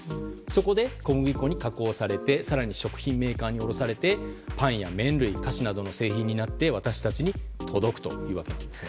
そこで、小麦粉に加工されて更に食品メーカーに卸されてパンや麺類菓子などの製品になって私たちのもとに届くというわけなんです。